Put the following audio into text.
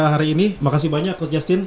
hari ini makasih banyak coach justin